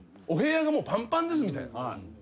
お部屋がもうパンパンですみたいな。